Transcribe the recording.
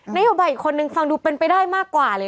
โยบายอีกคนนึงฟังดูเป็นไปได้มากกว่าเลย